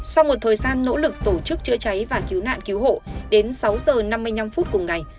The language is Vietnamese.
sau một thời gian nỗ lực tổ chức chữa cháy và cứu nạn cứu hộ đến sáu h năm mươi năm phút cùng ngày